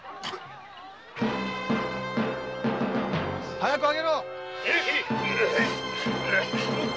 早く上げろ！